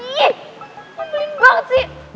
iih ngebelin banget sih